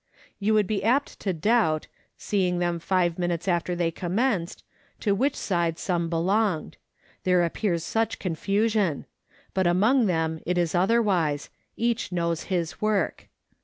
You would be apt to doubt, seeing them five minutes after they commenced, to which side some belonged there appears such confusion ; but among them it is otherwise each knows his work.